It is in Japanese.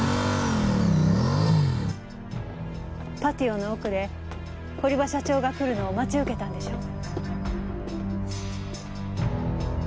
パティオの奥で堀場社長が来るのを待ち受けたんでしょう？